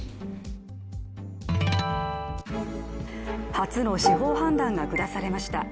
初の司法判断が下されました。